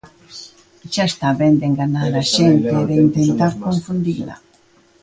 Xa está ben de enganar a xente e de intentar confundila.